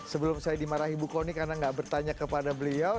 sebelum saya dimarahi bu kony karena nggak bertanya kepada beliau